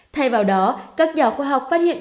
thay vào đó các nhà khoa học phát hiện